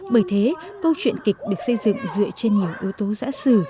bởi thế câu chuyện kịch được xây dựng dựa trên nhiều ưu tố giã sử